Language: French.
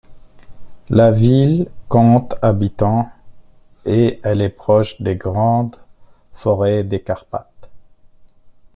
La ville compte habitants et elle est proche des grandes forêts des Carpates.